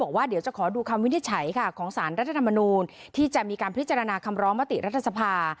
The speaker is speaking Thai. บอกว่าเดี๋ยวจะขอดูคำวินิจฉัยค่ะของสารรัฐธรรมนูลที่จะมีการพิจารณาคำร้องมติรัฐสภา